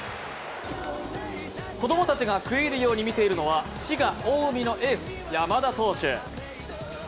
子供たちが食い入るように見ているのは滋賀・近江のエース・山田投手。